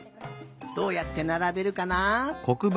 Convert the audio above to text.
どうやってならべるかな？